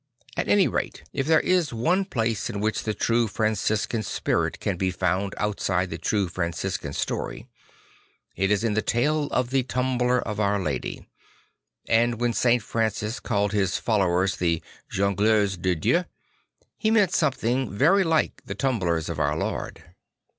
At any rate, if there is one 7 8 St. Francis of Assisi place in which the true Franciscan spirit can be found outside the true Franciscan story, it is in that tale of the Tumbler of Our Lady. And when St. Francis called his followers the Jongleurs de Dieu, he meant something very like the Tumblers of Our Lord.